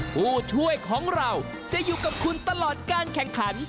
ผู้ช่วยของเราจะอยู่กับคุณตลอดการแข่งขัน